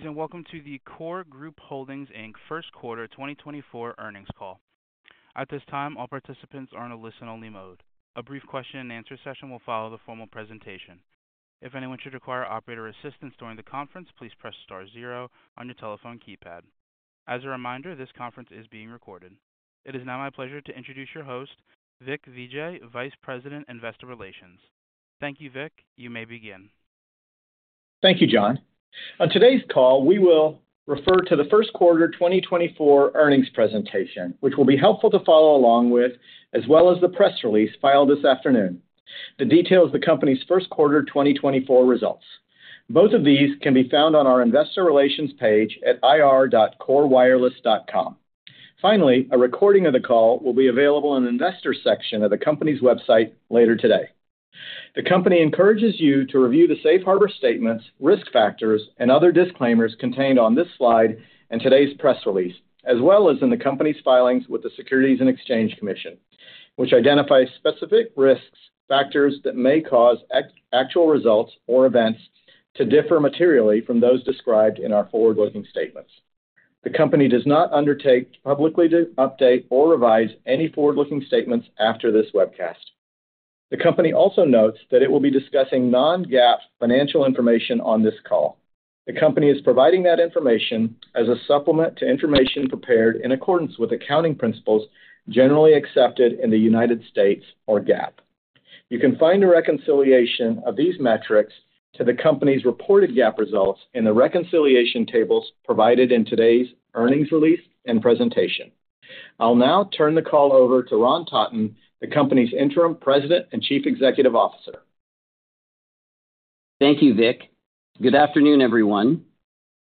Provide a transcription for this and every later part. Greetings, and welcome to the KORE Group Holdings, Inc. First Quarter 2024 earnings call. At this time, all participants are in a listen-only mode. A brief question-and-answer session will follow the formal presentation. If anyone should require operator assistance during the conference, please press star zero on your telephone keypad. As a reminder, this conference is being recorded. It is now my pleasure to introduce your host, Vik Vijayvergiya, Vice President, Investor Relations. Thank you, Vik. You may begin. Thank you, John. On today's call, we will refer to the first quarter 2024 earnings presentation, which will be helpful to follow along with, as well as the press release filed this afternoon. The details of the company's first quarter 2024 results. Both of these can be found on our investor relations page at ir.korewireless.com. Finally, a recording of the call will be available in the investor section of the company's website later today. The company encourages you to review the safe harbor statements, risk factors, and other disclaimers contained on this slide and today's press release, as well as in the company's filings with the Securities and Exchange Commission, which identifies specific risks factors that may cause actual results or events to differ materially from those described in our forward-looking statements. The company does not undertake to publicly update or revise any forward-looking statements after this webcast. The company also notes that it will be discussing non-GAAP financial information on this call. The company is providing that information as a supplement to information prepared in accordance with accounting principles generally accepted in the United States or GAAP. You can find a reconciliation of these metrics to the company's reported GAAP results in the reconciliation tables provided in today's earnings release and presentation. I'll now turn the call over to Ron Totton, the company's Interim President and Chief Executive Officer. Thank you, Vik. Good afternoon, everyone.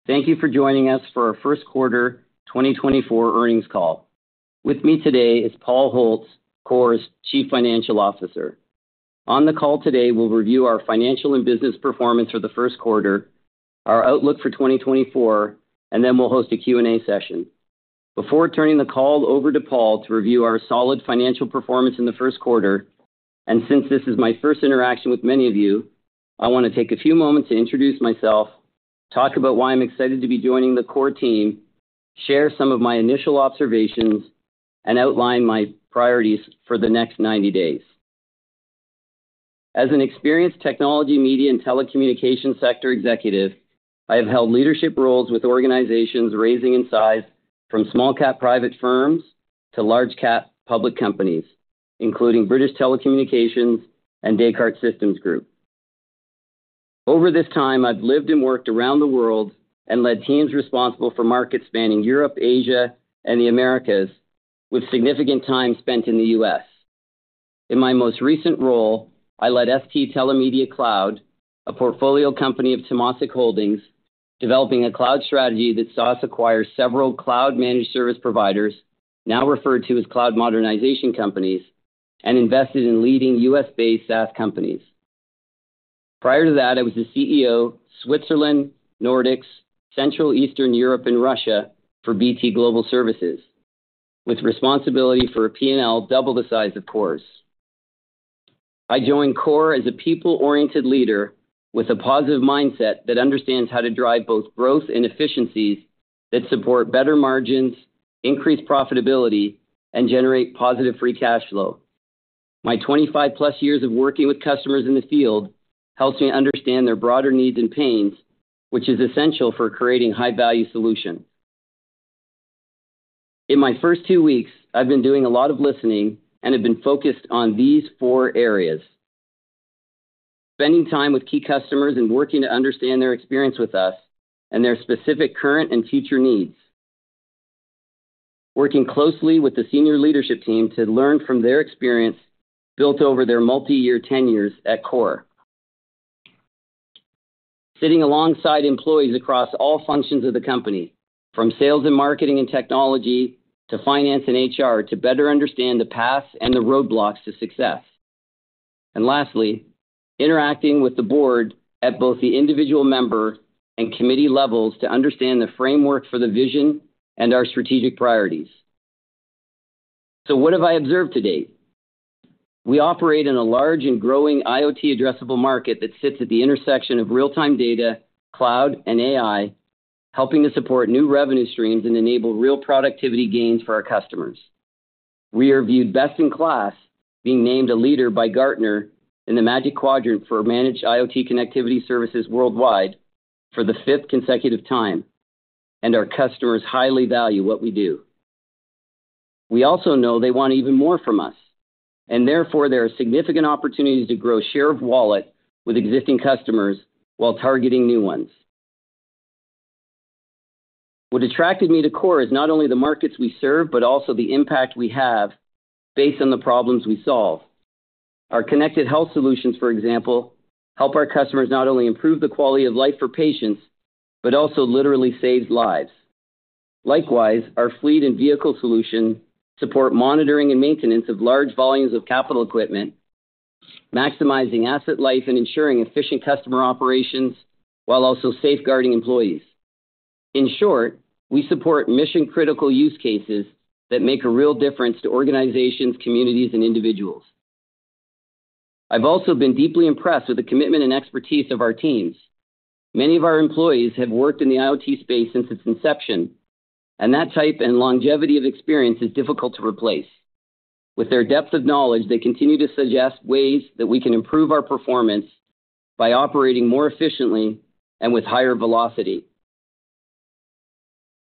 Thank you for joining us for our first quarter 2024 earnings call. With me today is Paul Holtz, KORE's Chief Financial Officer. On the call today, we'll review our financial and business performance for the first quarter, our outlook for 2024, and then we'll host a Q&A session. Before turning the call over to Paul to review our solid financial performance in the first quarter, and since this is my first interaction with many of you, I want to take a few moments to introduce myself, talk about why I'm excited to be joining the KORE team, share some of my initial observations, and outline my priorities for the next 90 days. As an experienced technology, media, and telecommunications sector executive, I have held leadership roles with organizations ranging in size from small cap private firms to large cap public companies, including British Telecommunications and Descartes Systems Group. Over this time, I've lived and worked around the world and led teams responsible for markets spanning Europe, Asia, and the Americas, with significant time spent in the US. In my most recent role, I led ST Telemedia Cloud, a portfolio company of Temasek Holdings, developing a cloud strategy that saw us acquire several cloud-managed service providers, now referred to as cloud modernization companies, and invested in leading US-based SaaS companies. Prior to that, I was the CEO, Switzerland, Nordics, Central Eastern Europe, and Russia for BT Global Services, with responsibility for P&L, double the size of KORE's. I joined KORE as a people-oriented leader with a positive mindset that understands how to drive both growth and efficiencies that support better margins, increase profitability, and generate positive free cash flow. My 25+ years of working with customers in the field helps me understand their broader needs and pains, which is essential for creating high-value solutions. In my first two weeks, I've been doing a lot of listening and have been focused on these four areas. Spending time with key customers and working to understand their experience with us and their specific current and future needs. Working closely with the senior leadership team to learn from their experience built over their multi-year tenures at KORE. Sitting alongside employees across all functions of the company, from sales and marketing and technology to finance and HR, to better understand the path and the roadblocks to success. And lastly, interacting with the board at both the individual member and committee levels to understand the framework for the vision and our strategic priorities. So what have I observed to date? We operate in a large and growing IoT addressable market that sits at the intersection of real-time data, cloud, and AI, helping to support new revenue streams and enable real productivity gains for our customers. We are viewed best in class, being named a leader by Gartner in the Magic Quadrant for Managed IoT Connectivity Services worldwide for the fifth consecutive time, and our customers highly value what we do. We also know they want even more from us, and therefore, there are significant opportunities to grow share of wallet with existing customers while targeting new ones. What attracted me to KORE is not only the markets we serve, but also the impact we have based on the problems we solve. Our connected health solutions, for example, help our customers not only improve the quality of life for patients, but also literally saves lives. Likewise, our fleet and vehicle solutions support monitoring and maintenance of large volumes of capital equipment, maximizing asset life and ensuring efficient customer operations while also safeguarding employees. In short, we support mission-critical use cases that make a real difference to organizations, communities, and individuals.... I've also been deeply impressed with the commitment and expertise of our teams. Many of our employees have worked in the IoT space since its inception, and that type and longevity of experience is difficult to replace. With their depth of knowledge, they continue to suggest ways that we can improve our performance by operating more efficiently and with higher velocity.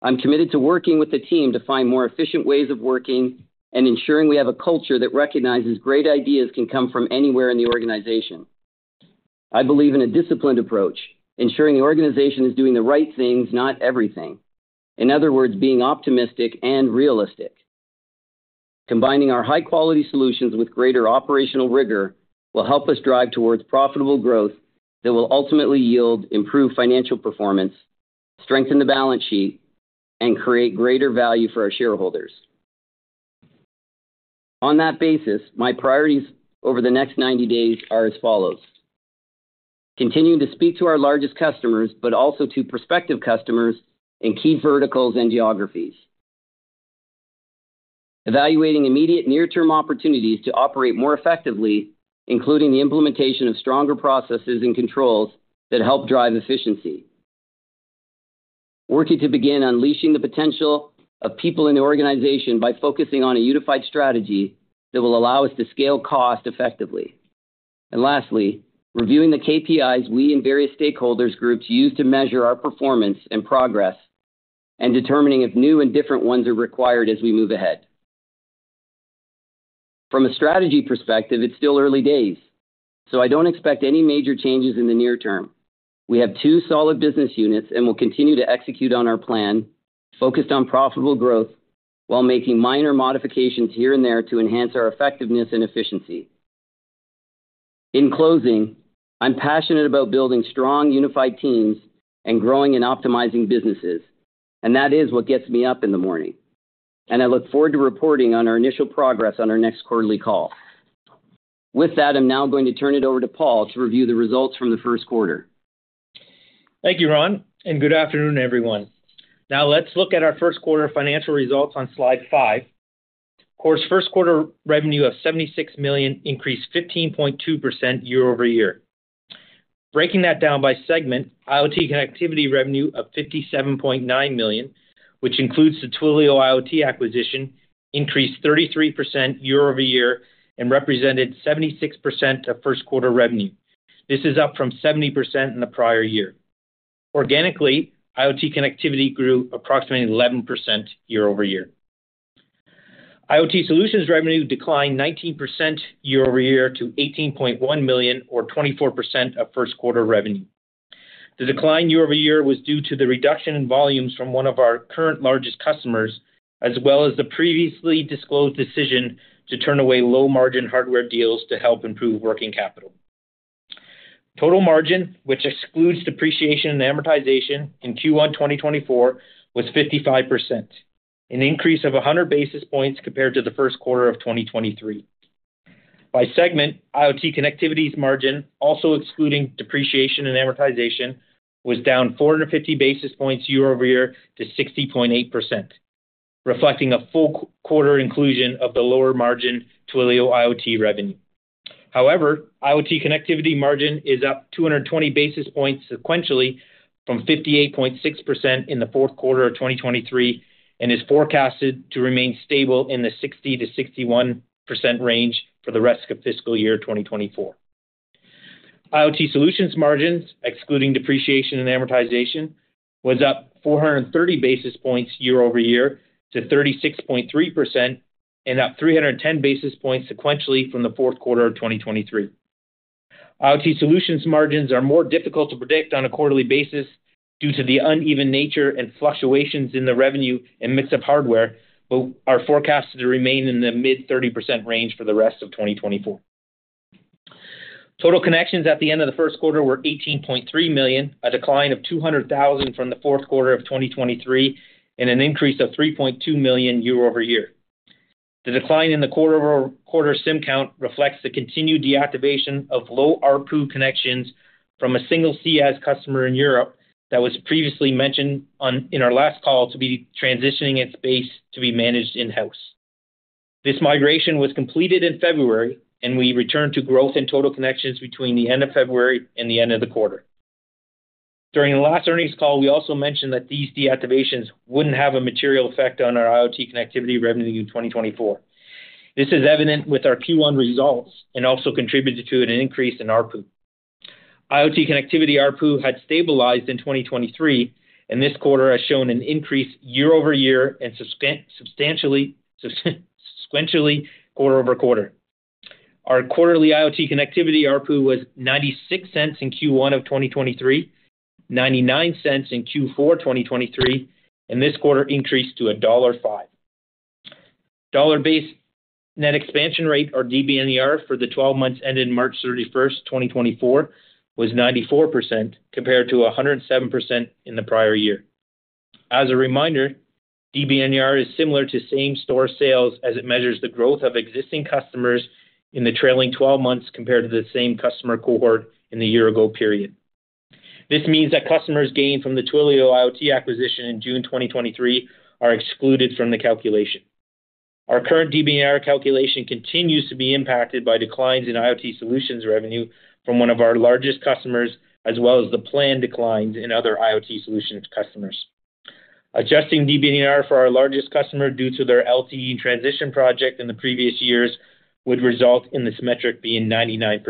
I'm committed to working with the team to find more efficient ways of working and ensuring we have a culture that recognizes great ideas can come from anywhere in the organization. I believe in a disciplined approach, ensuring the organization is doing the right things, not everything. In other words, being optimistic and realistic. Combining our high-quality solutions with greater operational rigor will help us drive towards profitable growth that will ultimately yield improved financial performance, strengthen the balance sheet, and create greater value for our shareholders. On that basis, my priorities over the next 90 days are as follows: Continue to speak to our largest customers, but also to prospective customers in key verticals and geographies. Evaluating immediate near-term opportunities to operate more effectively, including the implementation of stronger processes and controls that help drive efficiency. Working to begin unleashing the potential of people in the organization by focusing on a unified strategy that will allow us to scale cost effectively. And lastly, reviewing the KPIs we and various stakeholders groups use to measure our performance and progress, and determining if new and different ones are required as we move ahead. From a strategy perspective, it's still early days, so I don't expect any major changes in the near term. We have two solid business units, and we'll continue to execute on our plan, focused on profitable growth, while making minor modifications here and there to enhance our effectiveness and efficiency. In closing, I'm passionate about building strong, unified teams and growing and optimizing businesses, and that is what gets me up in the morning. I look forward to reporting on our initial progress on our next quarterly call. With that, I'm now going to turn it over to Paul to review the results from the first quarter. Thank you, Ron, and good afternoon, everyone. Now, let's look at our first quarter financial results on slide five. KORE's first quarter revenue of $76 million increased 15.2% year-over-year. Breaking that down by segment, IoT connectivity revenue of $57.9 million, which includes the Twilio IoT acquisition, increased 33% year-over-year and represented 76% of first quarter revenue. This is up from 70% in the prior year. Organically, IoT connectivity grew approximately 11% year-over-year. IoT solutions revenue declined 19% year-over-year to $18.1 million or 24% of first quarter revenue. The decline year-over-year was due to the reduction in volumes from one of our current largest customers, as well as the previously disclosed decision to turn away low-margin hardware deals to help improve working capital. Total margin, which excludes depreciation and amortization in Q1 2024, was 55%, an increase of 100 basis points compared to the first quarter of 2023. By segment, IoT connectivity's margin, also excluding depreciation and amortization, was down 450 basis points year-over-year to 60.8%, reflecting a full quarter inclusion of the lower margin Twilio IoT revenue. However, IoT connectivity margin is up 220 basis points sequentially from 58.6% in the fourth quarter of 2023, and is forecasted to remain stable in the 60%-61% range for the rest of fiscal year 2024. IoT solutions margins, excluding depreciation and amortization, was up 430 basis points year-over-year to 36.3% and up 310 basis points sequentially from the fourth quarter of 2023. IoT solutions margins are more difficult to predict on a quarterly basis due to the uneven nature and fluctuations in the revenue and mix of hardware, but are forecasted to remain in the mid-30% range for the rest of 2024. Total connections at the end of the first quarter were 18.3 million, a decline of 200,000 from the fourth quarter of 2023, and an increase of 3.2 million year-over-year. The decline in the quarter-over-quarter SIM count reflects the continued deactivation of low ARPU connections from a single CS customer in Europe that was previously mentioned in our last call to be transitioning its base to be managed in-house. This migration was completed in February, and we returned to growth in total connections between the end of February and the end of the quarter. During the last earnings call, we also mentioned that these deactivations wouldn't have a material effect on our IoT connectivity revenue in 2024. This is evident with our Q1 results and also contributed to an increase in ARPU. IoT connectivity ARPU had stabilized in 2023, and this quarter has shown an increase year-over-year and substantially, sequentially, quarter-over-quarter. Our quarterly IoT connectivity ARPU was $0.96 in Q1 2023, $0.99 in Q4 2023, and this quarter increased to $1.05. Dollar-based net expansion rate, or DBNER, for the 12 months ended March 31, 2024, was 94%, compared to 107% in the prior year. As a reminder, DBNER is similar to same-store sales, as it measures the growth of existing customers in the trailing twelve months compared to the same customer cohort in the year-ago period. This means that customers gained from the Twilio IoT acquisition in June 2023 are excluded from the calculation. Our current DBNER calculation continues to be impacted by declines in IoT solutions revenue from one of our largest customers, as well as the planned declines in other IoT solutions customers. Adjusting DBNER for our largest customer due to their LTE transition project in the previous years, would result in this metric being 99%.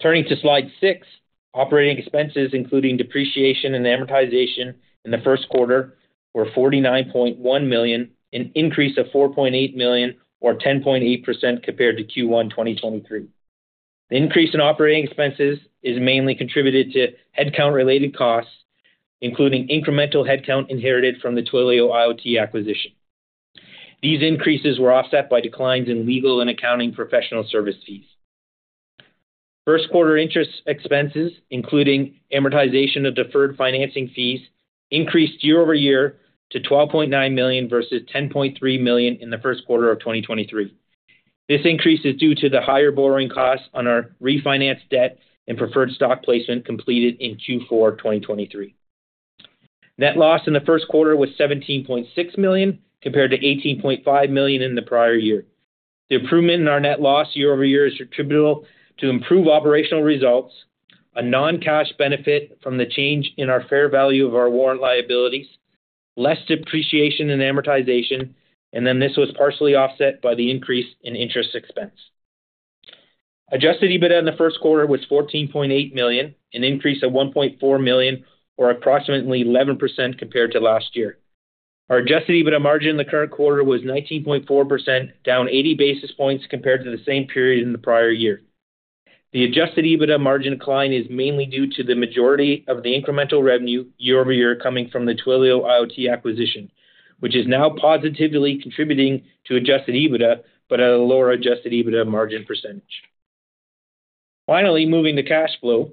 Turning to slide six, operating expenses, including depreciation and amortization in the first quarter, were $49.1 million, an increase of $4.8 million, or 10.8% compared to Q1 2023. The increase in operating expenses is mainly contributed to headcount-related costs, including incremental headcount inherited from the Twilio IoT acquisition. These increases were offset by declines in legal and accounting professional service fees. First quarter interest expenses, including amortization of deferred financing fees, increased year-over-year to $12.9 million versus $10.3 million in the first quarter of 2023. This increase is due to the higher borrowing costs on our refinanced debt and preferred stock placement completed in Q4 2023. Net loss in the first quarter was $17.6 million, compared to $18.5 million in the prior year. The improvement in our net loss year-over-year is attributable to improved operational results, a non-cash benefit from the change in our fair value of our warrant liabilities, less depreciation and amortization, and then this was partially offset by the increase in interest expense. Adjusted EBITDA in the first quarter was $14.8 million, an increase of $1.4 million, or approximately 11% compared to last year. Our adjusted EBITDA margin in the current quarter was 19.4%, down 80 basis points compared to the same period in the prior year. The adjusted EBITDA margin decline is mainly due to the majority of the incremental revenue year-over-year coming from the Twilio IoT acquisition, which is now positively contributing to adjusted EBITDA, but at a lower adjusted EBITDA margin percentage. Finally, moving to cash flow.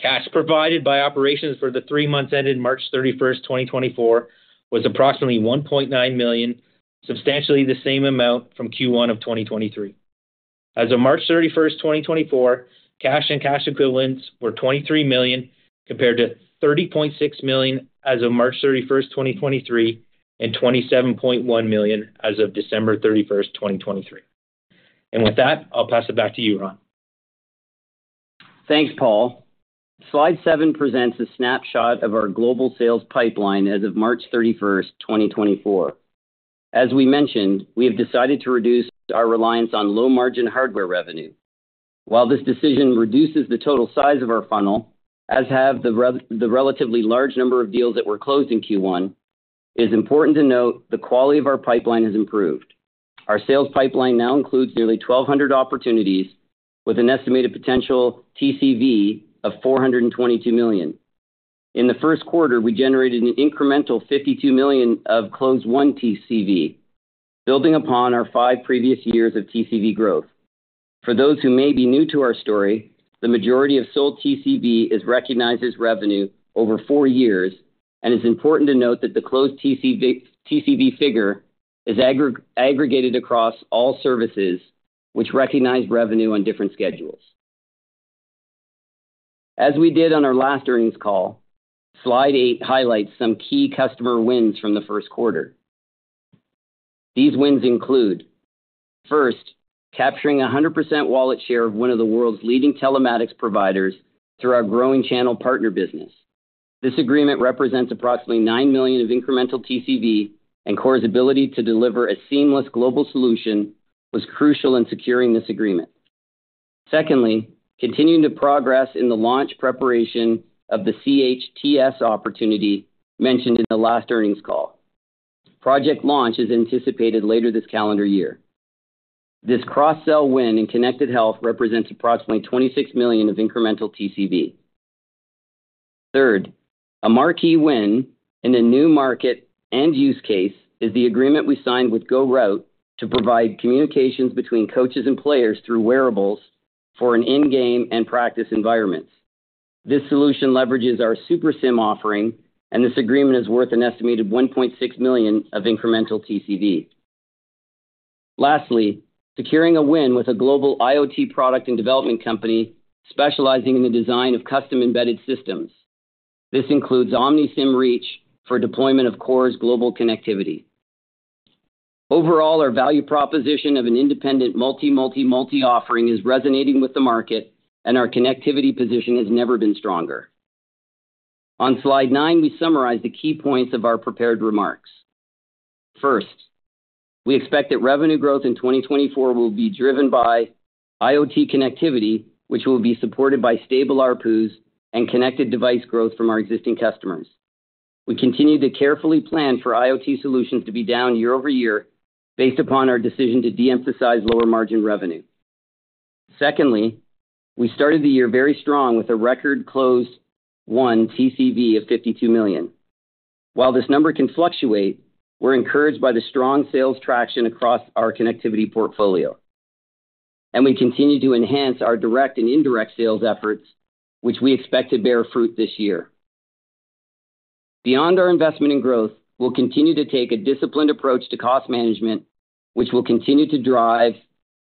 Cash provided by operations for the three months ended March 31, 2024, was approximately $1.9 million, substantially the same amount from Q1 of 2023. As of March 31, 2024, cash and cash equivalents were $23 million, compared to $30.6 million as of March 31, 2023, and $27.1 million as of December 31, 2023. And with that, I'll pass it back to you, Ron. Thanks, Paul. Slide seven presents a snapshot of our global sales pipeline as of March 31, 2024. As we mentioned, we have decided to reduce our reliance on low-margin hardware revenue. While this decision reduces the total size of our funnel, as have the relatively large number of deals that were closed in Q1, it is important to note the quality of our pipeline has improved. Our sales pipeline now includes nearly 1,200 opportunities, with an estimated potential TCV of $422 million. In the first quarter, we generated an incremental $52 million of closed-won TCV, building upon our 5 previous years of TCV growth. For those who may be new to our story, the majority of sold TCV is recognized as revenue over four years, and it's important to note that the closed TCV, TCV figure is aggregated across all services, which recognize revenue on different schedules. As we did on our last earnings call, slide eight highlights some key customer wins from the first quarter. These wins include, first, capturing 100% wallet share of one of the world's leading telematics providers through our growing channel partner business. This agreement represents approximately $9 million of incremental TCV, and KORE's ability to deliver a seamless global solution was crucial in securing this agreement. Secondly, continuing to progress in the launch preparation of the CHTS opportunity mentioned in the last earnings call. Project launch is anticipated later this calendar year. This cross-sell win in connected health represents approximately $26 million of incremental TCV. Third, a marquee win in a new market and use case is the agreement we signed with GoRout to provide communications between coaches and players through wearables for in-game and practice environments. This solution leverages our Super SIM offering, and this agreement is worth an estimated $1.6 million of incremental TCV. Lastly, securing a win with a global IoT product and development company specializing in the design of custom-embedded systems. This includes OmniSIM Reach for deployment of KORE's global connectivity. Overall, our value proposition of an independent Multi-Multi-Multi offering is resonating with the market, and our connectivity position has never been stronger. On slide nine, we summarize the key points of our prepared remarks. First, we expect that revenue growth in 2024 will be driven by IoT connectivity, which will be supported by stable ARPUs and connected device growth from our existing customers. We continue to carefully plan for IoT solutions to be down year-over-year based upon our decision to de-emphasize lower-margin revenue. Secondly, we started the year very strong with a record closed won TCV of $52 million. While this number can fluctuate, we're encouraged by the strong sales traction across our connectivity portfolio, and we continue to enhance our direct and indirect sales efforts, which we expect to bear fruit this year.... Beyond our investment in growth, we'll continue to take a disciplined approach to cost management, which will continue to drive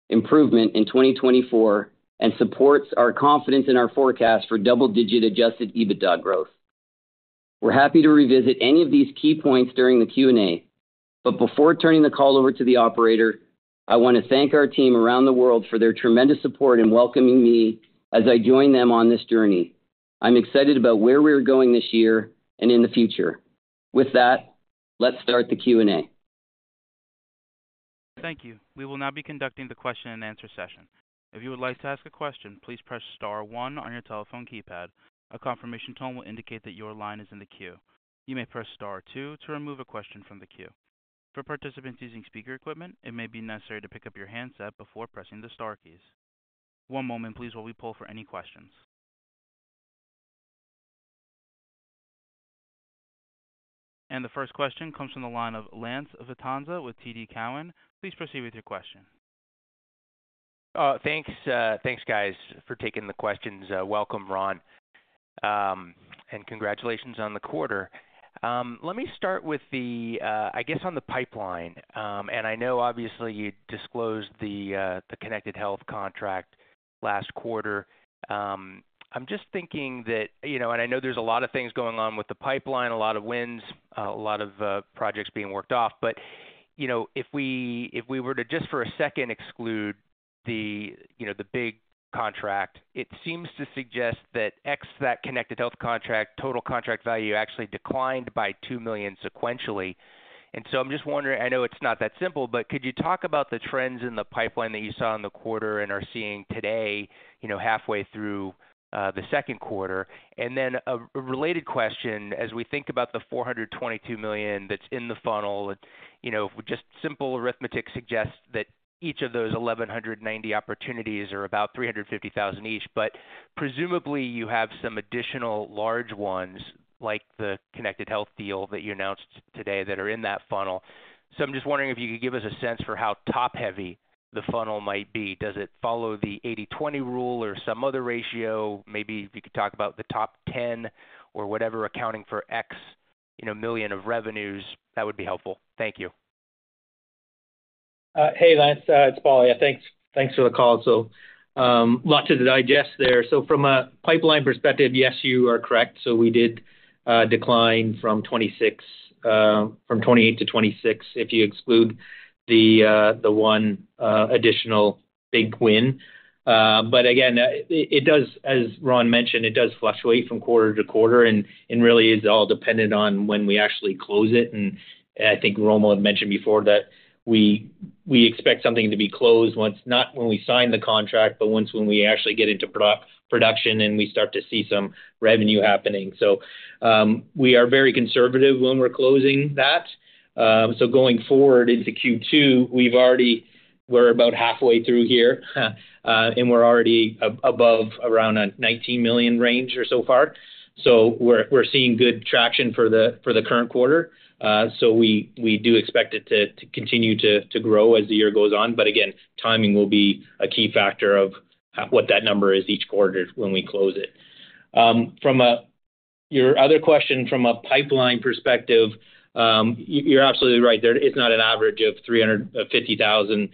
improvement in 2024, and supports our confidence in our forecast for double-digit Adjusted EBITDA growth. We're happy to revisit any of these key points during the Q&A. But before turning the call over to the operator, I want to thank our team around the world for their tremendous support in welcoming me as I join them on this journey. I'm excited about where we're going this year and in the future. With that, let's start the Q&A. Thank you. We will now be conducting the question-and-answer session. If you would like to ask a question, please press star one on your telephone keypad. A confirmation tone will indicate that your line is in the queue. You may press star two to remove a question from the queue. For participants using speaker equipment, it may be necessary to pick up your handset before pressing the star keys. One moment, please, while we pull for any questions. And the first question comes from the line of Lance Vitanza with TD Cowen. Please proceed with your question. Thanks, thanks, guys, for taking the questions. Welcome, Ron, and congratulations on the quarter. Let me start with the, I guess, on the pipeline. And I know obviously you disclosed the, the connected health contract last quarter. I'm just thinking that, you know, and I know there's a lot of things going on with the pipeline, a lot of wins, a lot of, projects being worked off. But, you know, if we, if we were to, just for a second, exclude the, you know, the big contract, it seems to suggest that X, that connected health contract total contract value actually declined by $2 million sequentially. I'm just wondering, I know it's not that simple, but could you talk about the trends in the pipeline that you saw in the quarter and are seeing today, you know, halfway through the second quarter? Then a related question, as we think about the $422 million that's in the funnel, you know, just simple arithmetic suggests that each of those 1,190 opportunities are about $350,000 each. But presumably, you have some additional large ones, like the connected health deal that you announced today, that are in that funnel. So I'm just wondering if you could give us a sense for how top-heavy the funnel might be. Does it follow the 80/20 rule or some other ratio? Maybe if you could talk about the top 10 or whatever, accounting for X, you know, million of revenues, that would be helpful. Thank you. Hey, Lance, it's Paul here. Thanks for the call. So, lots to digest there. So from a pipeline perspective, yes, you are correct. So we did decline from 28 to 26, if you exclude the one additional big win. But again, it does as Ron mentioned, it does fluctuate from quarter to quarter, and really is all dependent on when we actually close it. And I think Romil had mentioned before that we expect something to be closed once, not when we sign the contract, but once when we actually get into production and we start to see some revenue happening. So, we are very conservative when we're closing that. So going forward into Q2, we've already—we're about halfway through here, and we're already above around a $19 million range or so far. So we're seeing good traction for the current quarter. So we do expect it to continue to grow as the year goes on, but again, timing will be a key factor of what that number is each quarter when we close it. From a... Your other question, from a pipeline perspective, you're absolutely right. There is not an average of 350,000.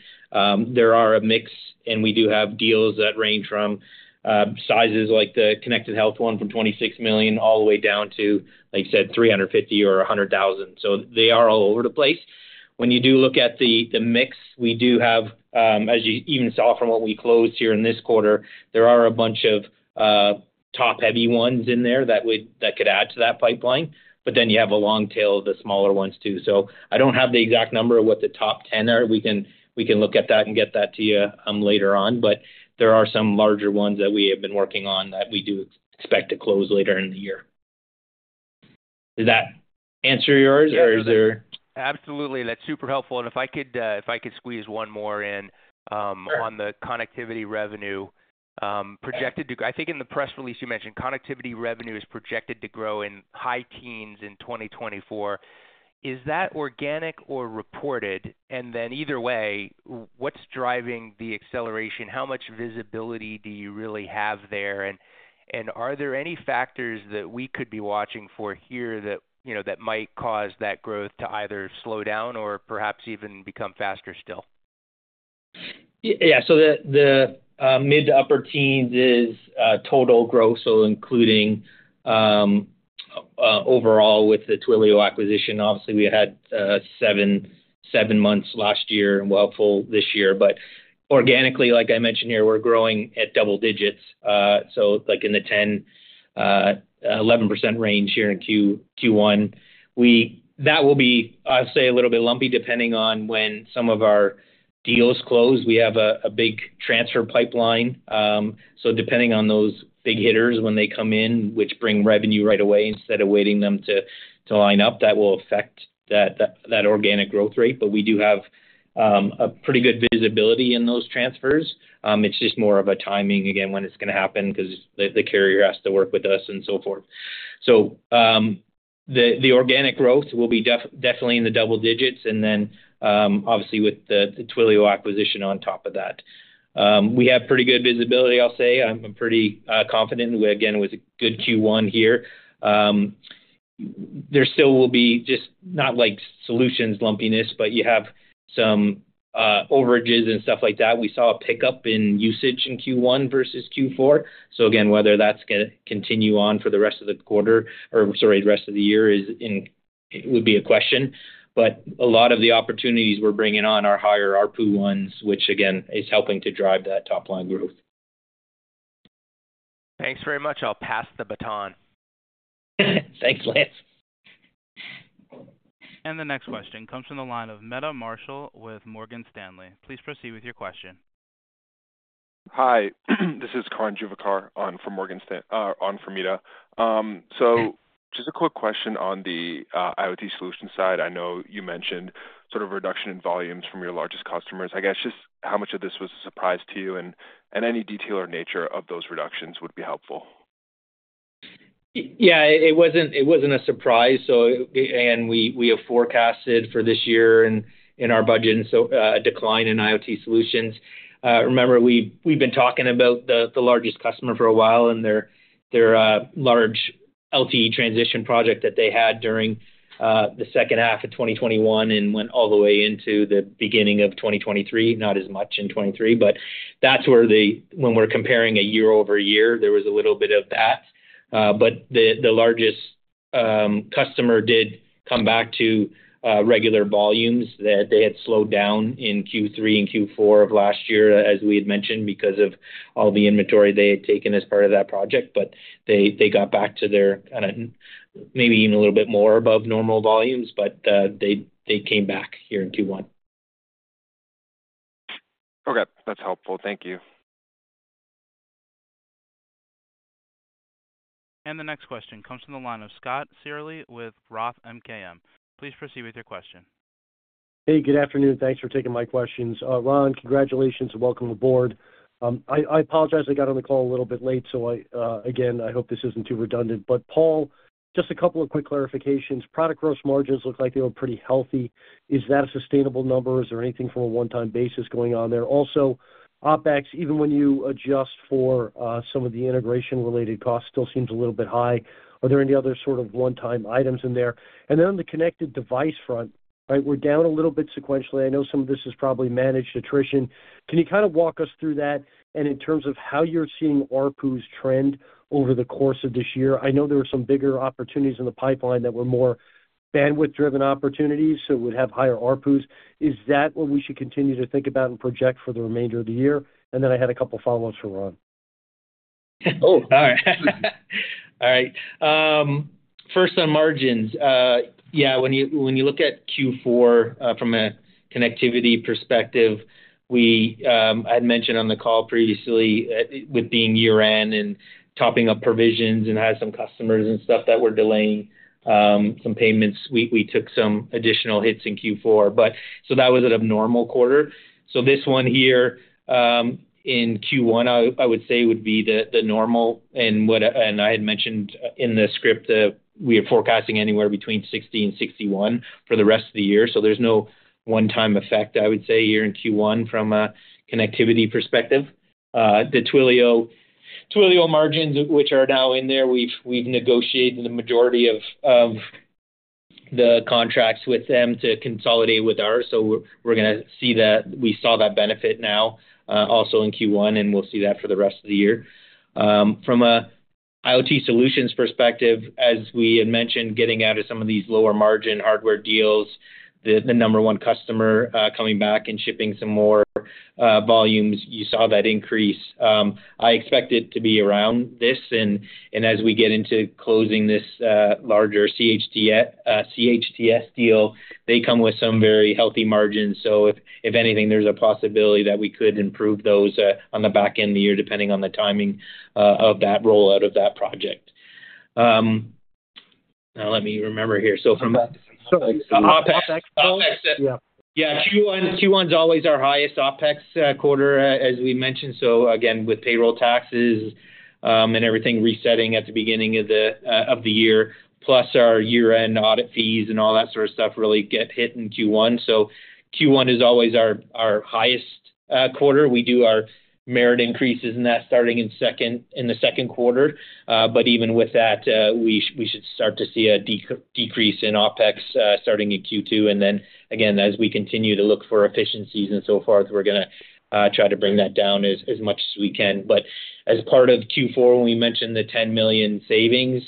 There are a mix, and we do have deals that range from sizes like the connected health one from $26 million, all the way down to, like you said, 350,000 or 100,000. So they are all over the place. When you do look at the mix, we do have, as you even saw from what we closed here in this quarter, there are a bunch of top-heavy ones in there that could add to that pipeline, but then you have a long tail of the smaller ones too. So I don't have the exact number of what the top ten are. We can look at that and get that to you later on, but there are some larger ones that we have been working on that we do expect to close later in the year. Does that answer yours, or is there- Absolutely. That's super helpful, and if I could, if I could squeeze one more in, Sure. On the connectivity revenue, I think in the press release, you mentioned connectivity revenue is projected to grow in high teens% in 2024. Is that organic or reported? And then either way, what's driving the acceleration? How much visibility do you really have there? And are there any factors that we could be watching for here that, you know, that might cause that growth to either slow down or perhaps even become faster still? Yeah. So the mid to upper teens is total growth, so including overall, with the Twilio acquisition, obviously, we had seven months last year and full this year. But organically, like I mentioned here, we're growing at double digits, so like in the 10%-11% range here in Q1. That will be, I'll say, a little bit lumpy, depending on when some of our deals close. We have a big transfer pipeline, so depending on those big hitters, when they come in, which bring revenue right away, instead of waiting them to line up, that will affect that organic growth rate. But we do have a pretty good visibility in those transfers. It's just more of a timing, again, when it's gonna happen, because the carrier has to work with us and so forth. So, the organic growth will be definitely in the double digits, and then, obviously, with the Twilio acquisition on top of that. We have pretty good visibility, I'll say. I'm pretty confident, again, with a good Q1 here. There still will be just not like solutions lumpiness, but you have some overages and stuff like that. We saw a pickup in usage in Q1 versus Q4. So again, whether that's gonna continue on for the rest of the quarter or, sorry, the rest of the year would be a question. But a lot of the opportunities we're bringing on are higher ARPU ones, which again, is helping to drive that top line growth. Thanks very much. I'll pass the baton Thanks, Lance. The next question comes from the line of Meta Marshall with Morgan Stanley. Please proceed with your question. Hi, this is Karan Juvekar on from Morgan Stanley. So just a quick question on the IoT solution side. I know you mentioned sort of reduction in volumes from your largest customers. I guess just how much of this was a surprise to you and any detail or nature of those reductions would be helpful. Yeah, it wasn't a surprise. So and we have forecasted for this year and in our budget, and so, a decline in IoT solutions. Remember, we've been talking about the largest customer for a while, and their large LTE transition project that they had during the second half of 2021 and went all the way into the beginning of 2023, not as much in 2023. But that's where the... when we're comparing year-over-year, there was a little bit of that. But the largest customer did come back to regular volumes that they had slowed down in Q3 and Q4 of last year, as we had mentioned, because of all the inventory they had taken as part of that project. But they got back to their kinda, maybe even a little bit more above normal volumes, but they came back here in Q1. Okay. That's helpful. Thank you. The next question comes from the line of Scott Searle with Roth MKM. Please proceed with your question. Hey, good afternoon. Thanks for taking my questions. Ron, congratulations and welcome aboard. I apologize I got on the call a little bit late, so again, I hope this isn't too redundant. But Paul, just a couple of quick clarifications. Product gross margins look like they were pretty healthy. Is that a sustainable number, or is there anything from a one-time basis going on there? Also, OpEx, even when you adjust for some of the integration-related costs, still seems a little bit high. Are there any other sort of one-time items in there? And then on the connected device front, right, we're down a little bit sequentially. I know some of this is probably managed attrition. Can you kind of walk us through that? In terms of how you're seeing ARPUs trend over the course of this year, I know there were some bigger opportunities in the pipeline that were more bandwidth-driven opportunities, so it would have higher ARPUs. Is that what we should continue to think about and project for the remainder of the year? Then I had a couple of follow-ups for Ron. Oh, all right. All right. First, on margins. Yeah, when you look at Q4, from a connectivity perspective, we, I'd mentioned on the call previously, with being year-end and topping up provisions and had some customers and stuff that were delaying, some payments, we took some additional hits in Q4. But so that was an abnormal quarter. So this one here, in Q1, I would say, would be the, the normal and I had mentioned in the script, we are forecasting anywhere between 60%-61% for the rest of the year, so there's no one-time effect, I would say, here in Q1 from a connectivity perspective. The Twilio margins, which are now in there, we've negotiated the majority of the contracts with them to consolidate with ours, so we're gonna see that. We saw that benefit now, also in Q1, and we'll see that for the rest of the year. From a IoT solutions perspective, as we had mentioned, getting out of some of these lower margin hardware deals, the number one customer coming back and shipping some more volumes, you saw that increase. I expect it to be around this, and as we get into closing this larger CHTS deal, they come with some very healthy margins. So if anything, there's a possibility that we could improve those on the back end of the year, depending on the timing of that rollout of that project. Now let me remember here. So from the OpEx- OpEx. OpEx. Yeah. Yeah, Q1, Q1's always our highest OpEx quarter, as we mentioned. So again, with payroll taxes, and everything resetting at the beginning of the year, plus our year-end audit fees and all that sort of stuff, really get hit in Q1. So Q1 is always our highest quarter. We do our merit increases and that starting in the second quarter. But even with that, we should start to see a decrease in OpEx starting in Q2. And then again, as we continue to look for efficiencies and so forth, we're gonna try to bring that down as much as we can. As part of Q4, when we mentioned the $10 million savings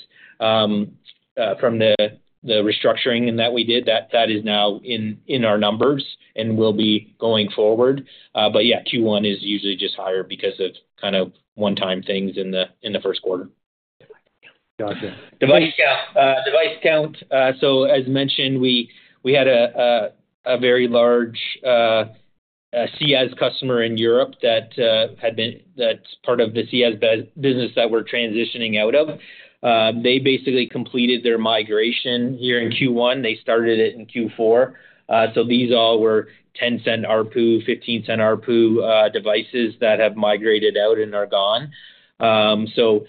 from the restructuring and that we did, that is now in our numbers and will be going forward. Yeah, Q1 is usually just higher because of kind of one-time things in the first quarter. Gotcha. Device count, device count, so as mentioned, we had a very large CS customer in Europe that had been—that's part of the CS business that we're transitioning out of. They basically completed their migration here in Q1. They started it in Q4. So these all were $0.10 ARPU, $0.15 ARPU devices that have migrated out and are gone.... So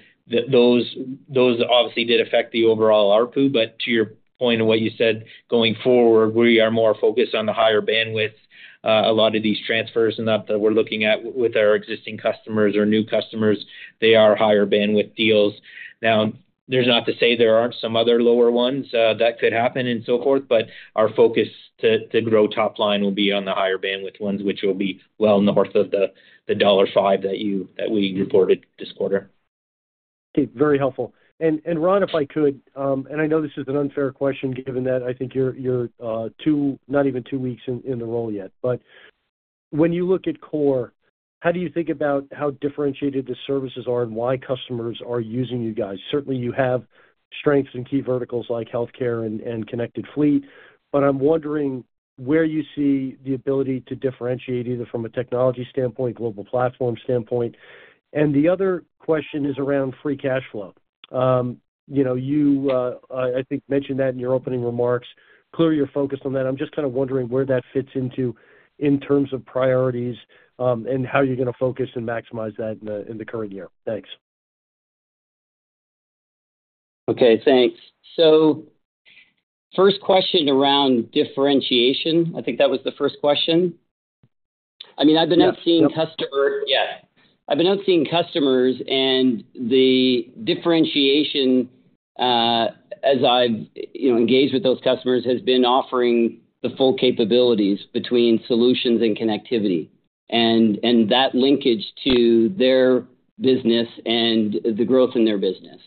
those, those obviously did affect the overall ARPU, but to your point and what you said, going forward, we are more focused on the higher bandwidth. A lot of these transfers and that, that we're looking at with our existing customers or new customers, they are higher bandwidth deals. Now, there's not to say there aren't some other lower ones that could happen and so forth, but our focus to grow top line will be on the higher bandwidth ones, which will be well north of the $5 that we reported this quarter. Okay, very helpful. And Ron, if I could, and I know this is an unfair question, given that I think you're two, not even two weeks in the role yet. But when you look at KORE, how do you think about how differentiated the services are and why customers are using you guys? Certainly, you have strengths in key verticals like healthcare and connected fleet, but I'm wondering where you see the ability to differentiate, either from a technology standpoint, global platform standpoint. And the other question is around free cash flow. You know, you I think mentioned that in your opening remarks. Clearly, you're focused on that. I'm just kind of wondering where that fits into in terms of priorities, and how you're gonna focus and maximize that in the current year. Thanks. Okay, thanks. So first question around differentiation. I think that was the first question. I mean, I've been out seeing customers- Yep. Yes. I've been out seeing customers, and the differentiation, as I've, you know, engaged with those customers, has been offering the full capabilities between solutions and connectivity, and that linkage to their business and the growth in their business.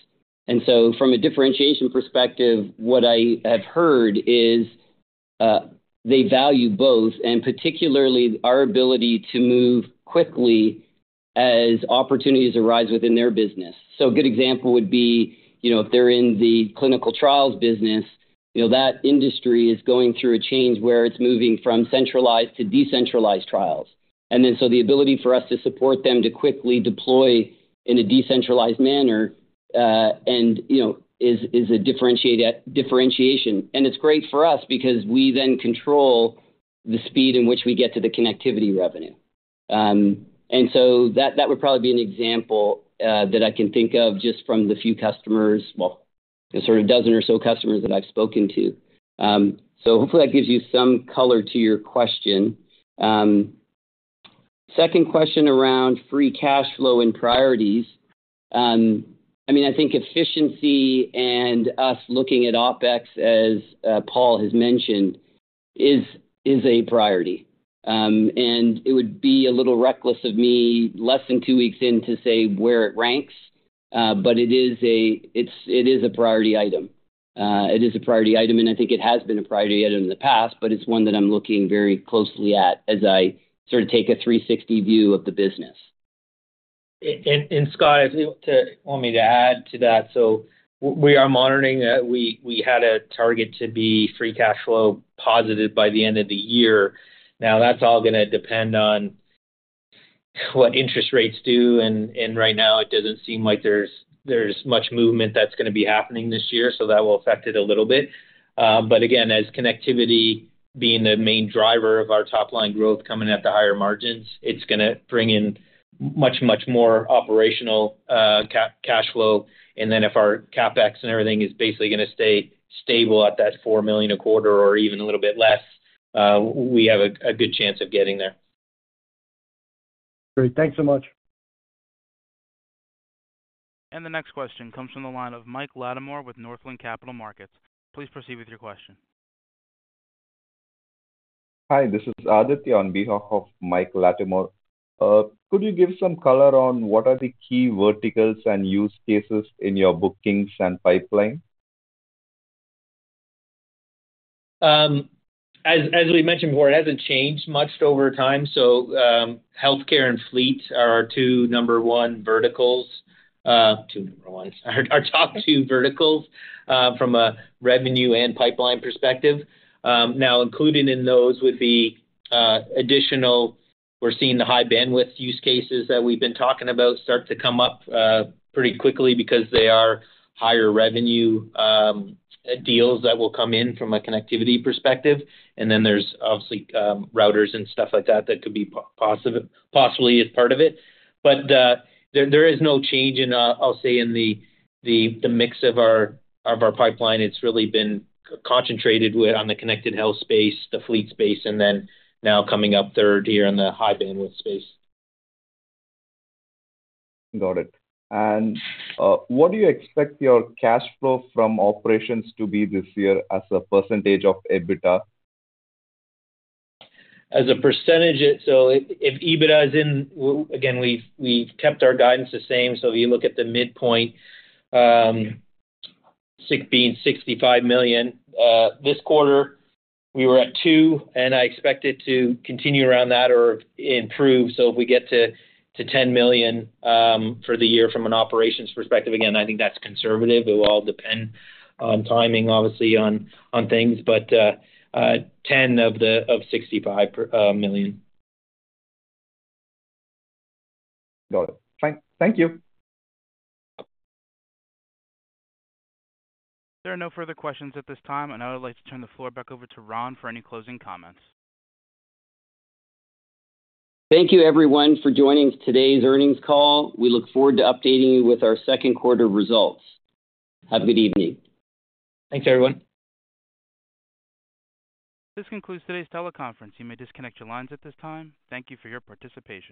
And so from a differentiation perspective, what I have heard is, they value both, and particularly our ability to move quickly as opportunities arise within their business. So a good example would be, you know, if they're in the clinical trials business, you know, that industry is going through a change where it's moving from centralized to decentralized trials. And then, so the ability for us to support them to quickly deploy in a decentralized manner, and, you know, is a differentiation. And it's great for us because we then control the speed in which we get to the connectivity revenue. And so that, that would probably be an example that I can think of just from the few customers... Well, the sort of dozen or so customers that I've spoken to. So hopefully that gives you some color to your question. Second question around free cash flow and priorities. I mean, I think efficiency and us looking at OpEx, as Paul has mentioned, is, is a priority. And it would be a little reckless of me, less than two weeks in, to say where it ranks, but it is a... It's, it is a priority item. It is a priority item, and I think it has been a priority item in the past, but it's one that I'm looking very closely at as I sort of take a 360 view of the business. And Scott, if you want me to add to that. So we are monitoring. We had a target to be free cash flow positive by the end of the year. Now, that's all gonna depend on what interest rates do, and right now, it doesn't seem like there's much movement that's gonna be happening this year, so that will affect it a little bit. But again, as connectivity being the main driver of our top line growth coming at the higher margins, it's gonna bring in much more operational cash flow. And then, if our CapEx and everything is basically gonna stay stable at that $4 million a quarter or even a little bit less, we have a good chance of getting there. Great. Thanks so much. The next question comes from the line of Mike Latimore with Northland Capital Markets. Please proceed with your question. Hi, this is Aditya on behalf of Mike Latimore. Could you give some color on what are the key verticals and use cases in your bookings and pipeline? As we mentioned before, it hasn't changed much over time, so healthcare and fleet are our two number one verticals. Two number ones. Our top two verticals, from a revenue and pipeline perspective. Now, included in those would be additional... We're seeing the high bandwidth use cases that we've been talking about start to come up pretty quickly because they are higher revenue deals that will come in from a connectivity perspective. And then there's obviously routers and stuff like that that could be positive, possibly as part of it. But there is no change in, I'll say, in the mix of our pipeline. It's really been concentrated with on the connected health space, the fleet space, and then now coming up third here in the high bandwidth space. Got it. What do you expect your cash flow from operations to be this year as a percentage of EBITDA? As a percentage, so if EBITDA is in... Again, we've kept our guidance the same. So if you look at the midpoint is $65 million, this quarter, we were at $2 million, and I expect it to continue around that or improve. So if we get to $10 million for the year from an operations perspective, again, I think that's conservative. It will all depend on timing, obviously on things, but 10% of the $65 million. Got it. Thank you. There are no further questions at this time, and I would like to turn the floor back over to Ron for any closing comments. Thank you, everyone, for joining today's earnings call. We look forward to updating you with our second quarter results. Have a good evening. Thanks, everyone. This concludes today's teleconference. You may disconnect your lines at this time. Thank you for your participation.